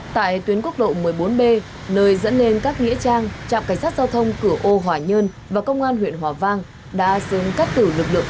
tại tuyến quốc lộ một mươi bốn b nơi dẫn lên các nghĩa trang trạm cảnh sát giao thông cửa ô hỏa nhơn và công an huyện hỏa vang đã xứng cắt tử lực lượng